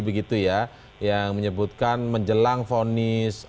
begitu ya yang menyebutkan menjelang vonis